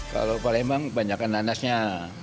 kalau palembang kebanyakan nanasnya